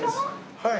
はい。